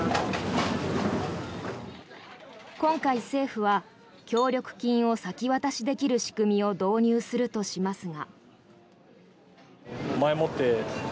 今回、政府は協力金を先渡しできる仕組みを導入するとしますが。